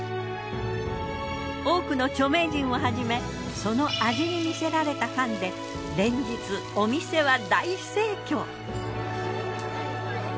多くの著名人をはじめその味に魅せられたファンで連日お店は大盛況。